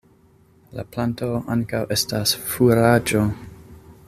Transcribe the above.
La planto ankaŭ estas furaĝo.